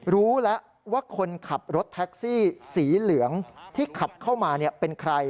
รู้แล้วว่าคนขับรถแท็กซี่สีเหลืองที่ขับเข้ามาเป็นใคร